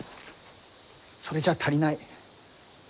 それじゃあ足りない。